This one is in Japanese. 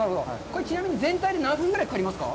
これ、ちなみに、全体で何分ぐらいかかりますか？